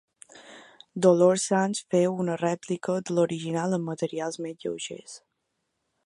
Dolors Sans féu una rèplica de l'original amb materials més lleugers.